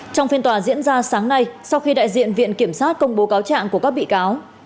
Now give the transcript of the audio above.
trong phiên tòa diễn ra sáng nay sau khi đại diện viện kiểm sát công bố cáo trạng của các bị cáo